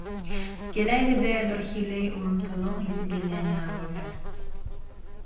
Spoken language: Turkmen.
Geläýse-de birhili ulumsylygyň ysy gelýän ýaly bolar.